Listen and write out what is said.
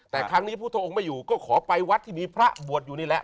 แต่ครั้งนี้พุทธองค์ไม่อยู่ก็ขอไปวัดที่มีพระบวชอยู่นี่แหละ